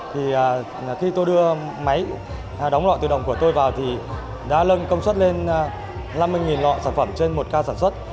thì khi tôi đưa máy đóng lọ tự động của tôi vào thì đã lân công suất lên năm mươi lọ sản phẩm trên một ca sản xuất